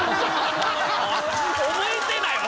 覚えてないわ！